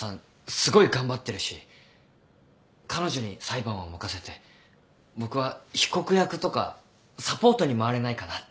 すごい頑張ってるし彼女に裁判は任せて僕は被告役とかサポートに回れないかなって。